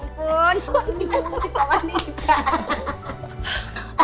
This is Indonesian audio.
wadidipu di pangani juga